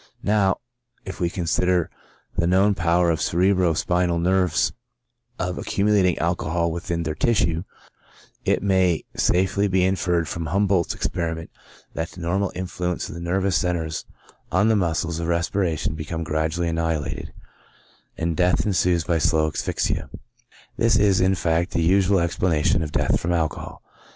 Now, if we consider the known power of the cerebro spinal nerves of accumulating alcohol within their tissue, it may safely be inferred from Humboldt's experiment that the nor mal influence of the nervous centres on the muscles of res piration becomes gradually annihilated, and death ensues by slow asphyxia. This is, in fact, the usual explanation of death from alcohol.